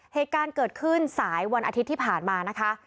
เหตุการณ์เกิดขึ้นสายวันอาทิตย์ที่ผ่านมานะคะ